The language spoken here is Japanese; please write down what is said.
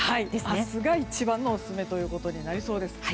明日が一番のオススメということになりそうです。